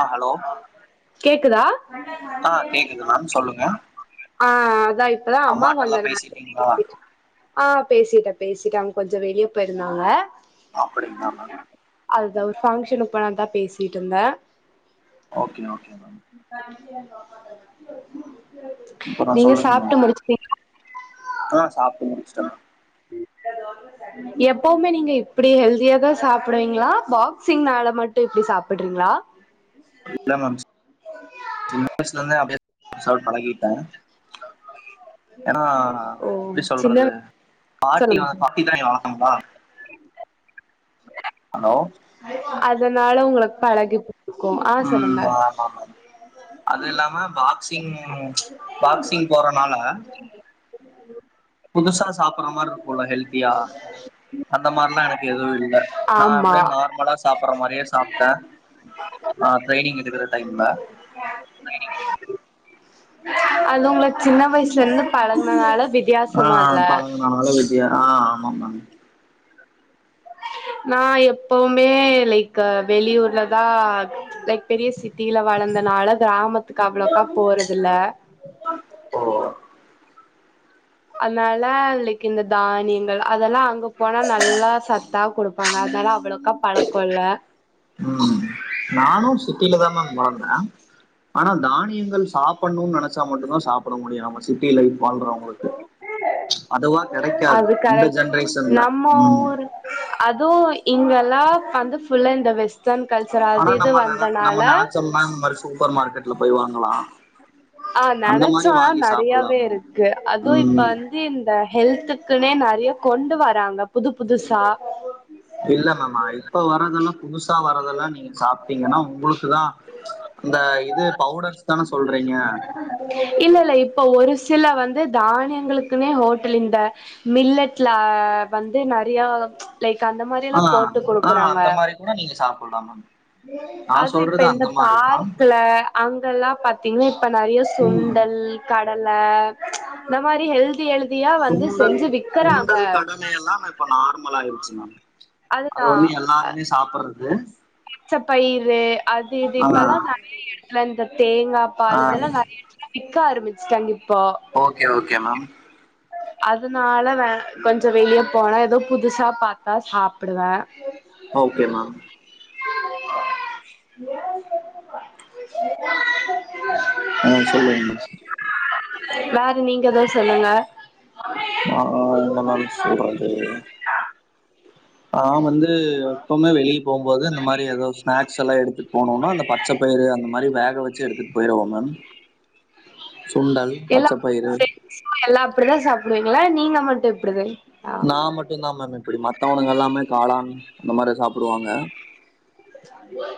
ஆ hello கேக்குதா ஆ கேக்குது மேம் சொல்லுங்க ஆ அதா இப்பதா அம்மா அம்மாட்டல்லா வந்திருந்தாங்க பேசிட்டீங்களா வீட்டுக்கு ஆ பேசிட்டே பேசிட்ட அவுங் கொஞ்ச வெளிய போயிருந்தாங்க அப்படிங்ள மா அதுதா ஒரு ஃபங்க்ஷனுக் போலான்தா பேசிட்ருந்த ஓகே ஓகே மேம் அப்புறோ [inaudible] நீங்க சொல்லுங்க மேம் சாப்ட்டு முடிச்சிட்டிங் ஆ சாப்ட்டு முடிச்சுட்டே மேம் எப்பவுமே நீங்க இப்புடி ஹெல்தியா தா சாப்புடுவீங்ளா பாக்சிங்னால மட்டு இப்டி சாப் விட்ரிங்ளா இல்ல மேம் சின்ன வய்ஸ்லேந்தே அப்டே சாப்ட் பழகி ஏன்னா ஓ எப்டி சின்ன சொல்றது பாட்டி சொல்லுங்க வளப்பாங் [inaudible] ஹலோ அதனால உங்களுக் பழகிபு ம் ஆமாமா அது இல்லாம பாக்சிங் பாக்சிங் போறனால [inaudible] புதுசா சாப்புற்ற மார் இருக்குல்ல ஹெல்த்தியா அந்த மார்லா எனக்கு எதுவு இல்ல நா ஆமா அப்புடே நார்மலா சாப்புற்ற மாரியே சாப்ட்ட அ ட்ரைனிங் எடுக்குற டைம்ல அது உங்ளக் சின்ன வய்சுலேந்து பழகுனனால வித்யாசமா இல்ல ம் அதனால வித்தியா ஆ ஆமா மேம் நா எப்பவுமே லைக் வெளியூர்ல தா லைக் பெரிய சிட்டில வளர்ந்தனால கிராமத்துக்கு அவுளோக்கா போறதுல்ல ஓ அத்னால லைக் இந்த தானியங்கள் அதல்லா அங்க போனா நல்லா சத்தா குடுப்ப ப்பாங்க அதால அவ்வுளோக்கா பழக்கோல்ல ம் நானு சிட்டில தா மேம்‌ வளந்த ஆனா தானியங்கள் சாப்பட்ணு நெனச்சா மட்டுந்தா சாப்பட முடியு நம்ம சிட்டி லைப் வாழ்றவ் அதுவா கெடக்காது அது இந்த கரெக்ட் ஜென்ரேஷன்ல நம்ம ம் ஊரு அதுவு இங்கல்லா வந்து full and the western culture அது இது வந்தனால ஒ மேம் [unintelligible] சூப்பர் மார்க்கட்ல போய் வாங்களலா அ நனச்சோன்னா சாப்பட்லா நறையாவே மேம் இருக்கு அதுவு இப்ப ம் வந் து இந்த ஹெல்த்துக்குனே நறிய கொண்டு வராங்க புது புதுசா இல்ல மேம் அ இப்ப வரதெல்லா புதுசா வரதெல்லா நீங்க சாப் டிங்கன்னா உங்குளுக்குதா அந்த இது பவுடர்ஸ் தான சொல்றே இல்ல இல்ல இப்ப ஒரு சில வந்து தானியங்களுக்குனே ஹோட்டல் இந்த மில்லட்ல வந்து நறியா லைக் அந்த மாரி ஆ எல்லா போட்டு ஆ குடுக்குறாங்க அந்த மாரி கூட நீங்க சாப்புட்லாமா அதுவு இப்ப இந்த பார்க்குல அங்கல்லா பாத்தீங்னா இப்ப நறிய ம் சுண்டல் கடல இந்த மாரி ஹெல்தி ஹெல்தியா வந்து செஞ்சு விக்கறாங்க லே எல்லா இப்ப நார்மல் ஆயிருச்சு மேம் அது அதுதா வந்து எல்லாருமே சாப்புற்றது ச பயிறு அது இது இப்பல்லா நறைய எடத்துல இந்த தேங்காய் ஆ பால் இதெல்லா நறைய எடத்துக் விக்க ஆரம்மிச்ட்டாங்க இப்போ ஓகே ஓகே மேம் அதனால வே கொஞ்சோ வெளியே போனா ஏதோ புதுசா பாத்தா சாப்பிடுவே ஓகே மேம் [unintelligible] ஆ சொல்லுங்க மேம் வேற நீங்க ஏதாவது சொல்லுங்க நா என்ன மேம் சொல்றது நா வந்து எப்பவுமே வெளியே போம்போது இந்த மாரி ஏதோ ஸ்நாக்ஸ் எல்லா எடுத்துட் போனோன்னா அந்த பச்சைப்பயிறு அந்த மாதிரி வேக வச்சு எடுத்துட்டு போயிருவோ மேம் சுண்டல் எல்லா பச்சப்பயிறு எல்லா அப்டிதா சாப்டுவீங்களா நீங்க மட்டு இப்டிதா ஆ நா மட்டு தா மேம் இப்டி மத்தவனுங்க எல்லாமே காளான் அந்த மாரி சாப்பிடுவாங்க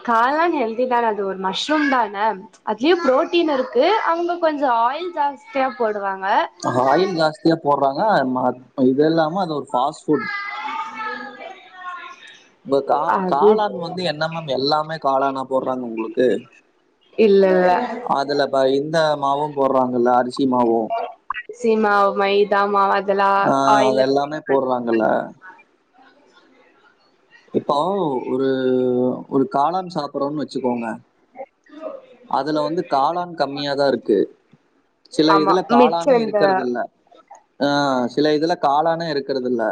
காளான் ஹெல்தி தானே அது ஒரு மஷ்ரூம் தானே அதுலயு ப்ரோட்டீன் இருக்கு அவங்க கொஞ்சோ ஆயில் ஜாஸ்தியா போடுவாங்க ஆயில் ஜாஸ்தியா போட்றாங்க ஆ இது இல்லாம அது ஒரு ஃபாஸ்ட் ஃபுட் [inaudible] இப்ப கா அது காளான் வந்து என்ன மேம் எல்லாமே காளானா போட்றாங்க உங்களுக்கு இல்ல இல்ல அதுல வ இந்த மாவு போட்றாங்கல்ல அரிசி மாவு அரிசி மாவு மைதா மாவ் அதெல்லா ஆயில்ல போட்றாங்கள [inaudible] இப்போ ஒரு ஒரு காளான் சாப்பட்றோன்னு வச்சுக்கோங்க அதுல வந்து காளான் கம்மியாதா இருக்கு சில ஆமா இதுல மிச்ச காளானே இந்த இருக்கறது இல்ல அ சில இதுல காளானே இருக்கறது இல்ல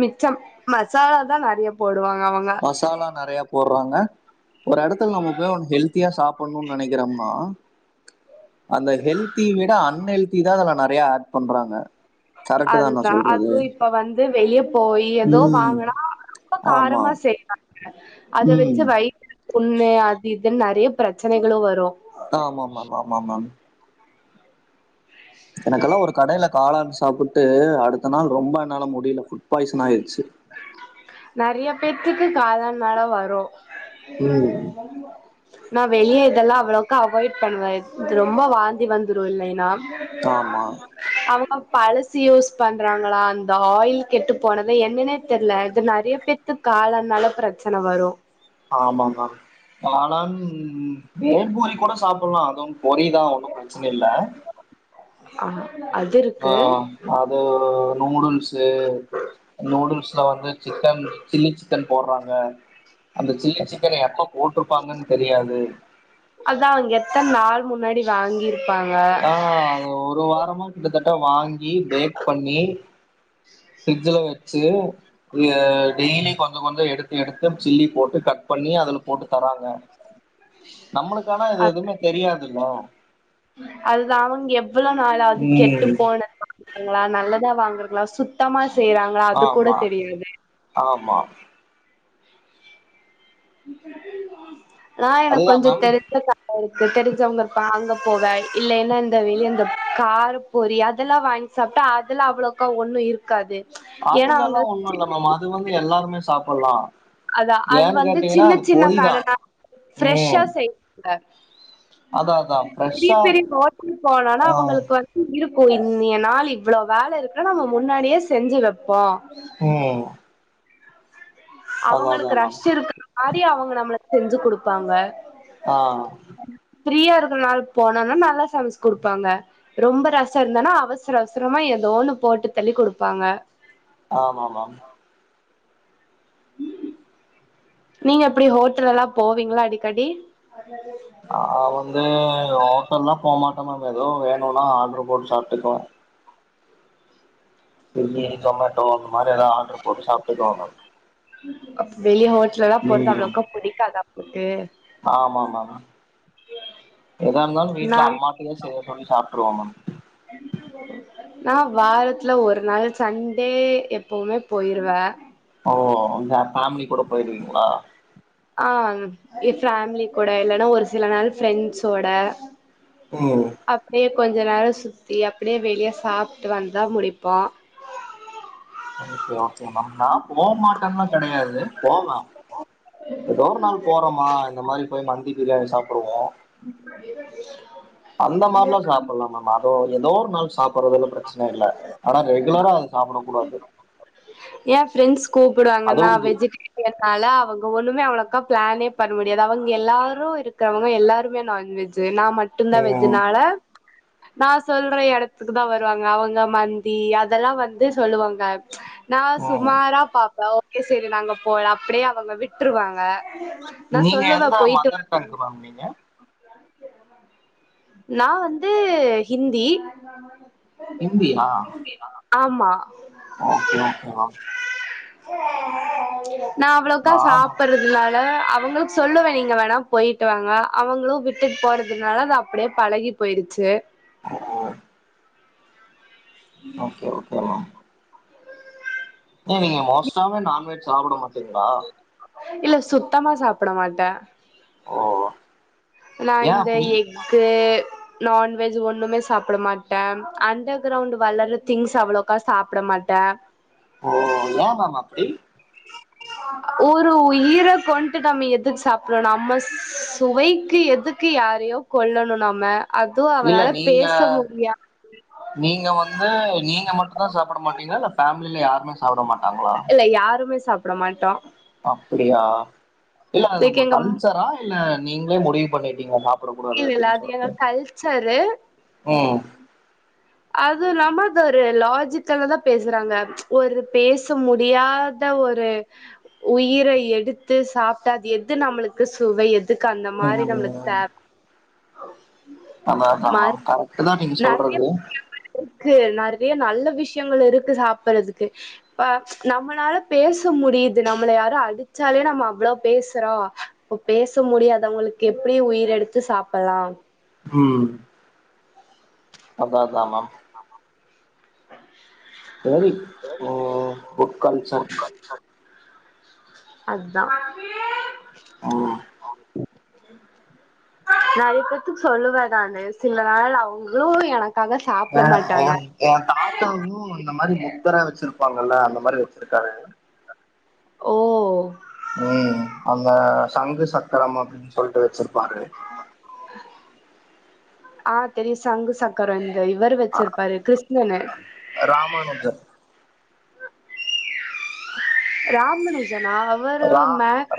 மிச்சம் மசாலா தா நெறையா போடுவாங்க அவங்க மசாலா நெறையா போட்றாங்க ஒரு எடத்துல நம்ம போய் ஹெல்த்தியா சாப்பிடணும்னு நெனைக்கிறோம்னா அந்த ஹெல்தி விட அன்ஹெல்தி தா அதுல நெறையா ஆட் பண்றாங்க கரெக்ட் தான் நான் அதுதா சொல்றது அதுவு இப்ப வந்து வெளிய போய் ஏதோ ம் வாங்குனா ரொம்ப ஆமா காரமா செய் அத வச்சு ம் வைய்த்து புண்ணு அது இதுன்னு நெறைய பிரச்சனைகளு வரு ஆ ஆமா ஆமா ஆமா ஆமா ஆமா மேம் எனக்கெல்லா ஒரு கடையில காளான் சாப்பிட்டு அடுத்த நாள் ரொம்ப என்னால முடியல ஃபுட் பாய்சன் ஆயிடுச்சு நெறைய பேத்துக்கு காளான்னாளா வரு [inaudible] ம் நா வெளியே இதெல்லா அவ்வளவுக்கு அவாய்ட் பண்ணுவே இது ரொம்ப வாந்தி வந்துரு இல்லைனா ஆமா அவங்க பழசு யூஸ் பண்றாங்களா அந்த ஆயில் கெட்டு போனத என்னனே தெரியல இது நெறைய பேத்து க்கு காளான்னால ப்ரச்சனை வரு ஆமாங்க மேம் காளான் மேல்ப்பூரி கூட சாப்பிடலா அதுன்ன பொறிதா ஒன்னு ப்ரச்சன இல்ல ஆ அது ஆ இருக்கு அது நூடுல்ஸ்ஸு நூடுல்ஸ்ல வந்து சிக்கன் சில்லி சிக்கன் போட்றாங்க அந்த சில்லி சிக்கன் எப்ப போட்ருப்பாங்கன்னு தெரியாது அதா அவங்க எத்தன் நாள் முன்னாடி வாங்கிரு அ ஒரு வாரமா கிட்டத்தட்ட வாங்கி பேக் பண்ணி பிரிஜ்ல வச்சு டெய்லி கொஞ்ச கொஞ்ச எடுத்து எடுத்து சில்லி போட்டு கட் பண்ணி அதுல போட்டு தராங்க நம்மளுக்கானா இது எதுமே தெரியாதுல அதுதா அவங்க எவ்வள நாளாது கெட்டு ம் போன ங்களா நல்லதா வாங்குறாங்களா சுத்தமா செய்றாங் ஆமா ஆமா நா எனக்கு அதுதான் கொஞ்ச மேம் தெரிஞ்ச இருக்கு தெரிஞ்சவங்க இருப்பா அங்க போவே இல்லன்னா இந்த வெளிய அந்த காருப் பொரி அதெல்லா வாங்கி சாப்ட்டா அதெல்லா அவ்ளக்கா ஒண்ணு இருக்காது ஏனா அதுல எல்லாம் ஒண்ணும் இல்ல அவங்களுக் மேம் அது வந்து எல்லாருமே சாப்பில்லா அதா அது வந்து சின்ன சின்ன கடலா ஃப்ரெஷ்ஷா ம் செய்வாங்க அதான் அதான் பெரிய ஃப்ரெஷ்ஷா பெரிய ஓட்டல் போலனா அவங்களுக்கு வந் இருக்கு இந் நாள் இவ்வள வேல இருக்குனா நம்ம முன்னாடியே செஞ்சு வெப்போ ம் அதான் அவங்களுக்கு அதான் மேம் ரஷ் இருக்கிற மாரி அவங்க நம்மளுக் செஞ்சு குடுப்பாங்க அ ஃபிரீயா இருக்கற நாள் போனாதா நல்லா சமச்சு குடுப்பாங்க ரொம்ப ரஷ்ஷா இருந்தனா அவசர அவசரமா எதோ ஒன்னு போட்டு தள்ளி குடுப்பாங்க ஆமா ஆமாம் நீங்க எப்படி ஹோட்டல் எல்லா போவீங்களா அடிக்கடி அதது என்ன நா வந்து ஹோட்டல்லா போமாட்ட மேம் ஏதோ வேணுனா ஆர்டர் போட்டு சாப்ட்டுக்குவ ஸ்விகி சொமேட்டோ அந்த மாரி எதா ஆர்டரு போட்டு சாப்ட்டுக்குவ மேம் அப்ப வெளிய ஹோட்டல் எல்லா போறது ம் அவ்ளவுக்கா புடிக்காதா போட்டு ஆமா மேம் எதா இருந்தாலு வீட்ல நா அம்மாட்டையே செய்ய சொல்லி சாப்ட்ருவ மேம் [unintelligible] நா வாரத்துல ஒரு நாள் சண்டே எப்பவுமே போயிருவ ஓ அங்க ஃபேமிலி கூட போயிருவீங்களா அ ஃபேமிலி கூட இல்லன்னா ஒரு சில நாள் ஃப்ரெண்ட்ஸோட ம் அப்டியே கொஞ்ச நேரோ சுத்தி அப்டியே வெளியே சாப்ட்டு வந்தா முடிப்போ ஓகே ஓகே மேம் நா போ மாட்டனா கெடையாது போவ ஏதோ ஒரு நாள் போறோமா இந்த மாரி போய் மந்தி பிரியாணி சாப்டுவோ அந்த மாரிலா ம் சாப்பட்லா மேம் அதோ ஏதோ ஒரு நாள் சாப்பிறதுல பிரச்சன இல்ல ஆனா ரெகுலரா அது சாப்பிட கூடாது ஏ ஃப்ரெண்ட்ஸ் கூப்பிடுவாங்க நா அதுவு வெஜிடேரி அதனால அவங்க ஒண்ணுமே அவளுக்கா பிளானே பண்ண முடியாது அவங்க எல்லாரு இருக்கிறவங்க எல்லாருமே நான்வெஜ் ஜ் நா மட்டுதா ம் வெஜினால நா சொல்ற எடத்துக்கு தா வருவாங்க அவங்க மந்தி அதெல்லா வந்து சொல்லுவாங்க நா ம் சுமாரா பாப்ப ஓகே சரி நாங்க போல அப்டியே அவங்க விட்ருவாங்க நா சொல்லுவ போயிட்டு வா தங்கு மாம் நீங்க நா வந்து ஹிந்தி ஹந்தியா ஆமா ஓகே ஓகே வா நா அவ்ளோக்கா சாப்பர்றதில்ல அதலால அவுங்களுக் சொல்லுவே நீங்க வேணாப் போயிட்டு வாங்க அவங்ளு விட்டுட் போறதுனாலதாப் ப்டியேப் பழகிப் போயிடுச்சு ம்ம் ஓகே ஓகே மா ஏ நீங்க மோஸ்ட்டாவே நான்வெஜ் சாப்ட மாட்டீங்ளா இல்ல சுத்தமா சாப்ட மாட்டே ஓ நா ஏ இந்த அப்டி எஃகு நான்வெஜ் ஒன்னுமே சாப்ட மாட்டே அண்டர் கிரவுண்ட் வளர்ற திங்ஸ் அவ்ளோக்கா சாப்ட மாட்டே ஓ ஏ மேம் அப்டி [unintelligible] ஒரு உயிரக் கொன்ட்டு டம் எதுக் சாப்றோ நம்ம சுவைக்கு எதுக் கு யாரையோ கொல்லணு நம்ம அதுவு இல்ல அவனாலப் நீங்க பேச முடியா நீங்க வந்து நீங்க மட்டுந்தா சாப்பட மாட்டீங்ளா இல்ல ஃபேம்லில யாருமே சாப்ட மாட்டாங்ளா இல்ல யாருமே சாப்ட மாட்டோ அப்பிடியா இல்ல அது லைக் உங்க எங்க கல்ச்சரா இல்ல நீங்ளே முடிவு பண்ணிட்டீங்க சாப் இல்லல்ல அது எங்க கல்ச்சரு ம் அது இல்லாம அத ஒரு லாஜிக்கல்லதாம் பேசறாங்க ஒரு பேச முடியாத ஒரு உயிரை எடுத்து சாப்ட்ட அது எது நம்ளுக்கு சுவை எதுக்கு அந்த மாரி நம்ளுக் ம் தேவ் அதா அதா மாரி மேம் கரெக்ட்டுதா நீங்க சொல்றது ருக்கு நெறைய நல்ல விஷ்யங்கள் இருக்கு சாப்பறதுக்கு பா நம்மனாலப் பேச முடியிது நம்மள யாரு அடிச்சாலே நம்ம அவ்ளோ பேசறோ இப்ப பேச முடியாதவங்களுக்கு எப்டி உயிரெடுத்து சாப்பல்லா ம் அதா அதா மேம் ஆமா சேரி ம் குட் கல்ச்சர் அதா ம் நெறையப் பேத்துக் சொல்லுவே நானு சில நாள் அவுங்ளு எனக் அ அ என் தாத்தாவு இந்த மாரி முத்தர வெச்சிருப்பாங்கல்ல அந்த மாரி வெச்சிருக்காரு ஓ ம் அந்த சங்கு சக்கரம் அப்டின் சொல்ட்டு வெச்சிருப்பாரு ஆ தெரியு சங்கு சக் கரோ இந்த இவரு வெச்சிருப்பாரு கிருஷ்ணனு ராமானுஜர் ராம்மனுஜனா அவு ரா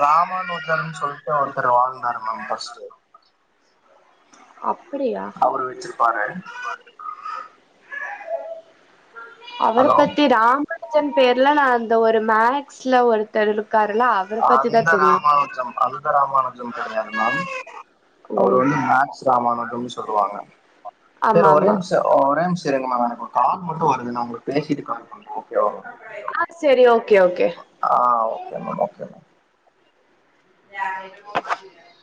ராமானுஜர்ன் சொல்ட்டு ஒருத்தரு வாழ்ந்தாரு மேம் ஃபர்ஸ்ட்டு அப்படியா அவுரு வெச்சிருப்பாரு அவரப் ஹலோ பத்தி ராம ஜன் பேர்லா நா அந்த ஒரு மேக்ஸ்ல ஒருத்தர் இருக்காருலாவ் அந்த ராமானுஜம் அந்த ராமானுஜம் கெடையாது மேம் அவுரு ஓ வந்து மேக் ராமானுஜம்னு சொல்லுவாங்க சேரி ஆமா ஒரு ஆமா நிமிஷ ஒரே நிமிஷ இருங்க மேம் எனக்கு ஒரு கால் மட்டு வருது நா உங்களுக்கு பேசிட்டு கால் பண்றே ஓகே வா ஆ சேரி ஓகே ஓகே ஆ ஓகே மேம் ஓகே மேம் [inaudible]